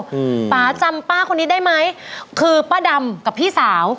ป่าจำป้าคนนี้ได้ไหมคือป้าดำกับพี่สาว